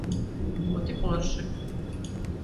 Ļoti forši.